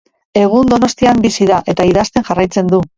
Egun Donostian bizi da, eta idazten jarraitzen du.